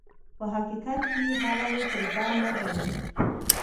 په حقیقت کې هغه یې پر ځان نه ګڼي.